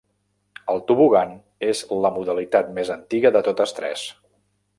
El tobogan és la modalitat més antiga de totes tres.